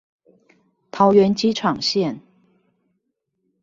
桃園機場線